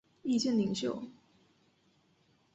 意见领袖。